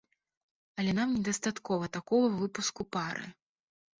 Але нам недастаткова такога выпуску пары!